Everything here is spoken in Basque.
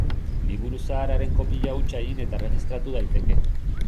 Liburu zahar haren kopia hutsa egin eta erregistratu daiteke.